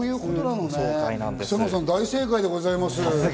草野さん、大正解でございます。